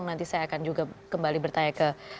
kemudian saya akan kembali bertanya ke